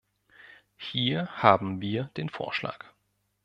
Hier haben wir den Vorschlag.